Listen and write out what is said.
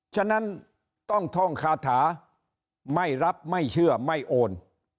ฉะนั้นต้องท่องคาถาไม่รับไม่เชื่อไม่โอน